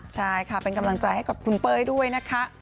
ใช่ค่ะเป็นกำลังใจให้กับคุณเป้ยด้วยนะคะ